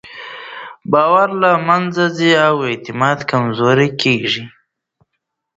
باورونه له منځه ځي او اعتماد کمزوری کېږي.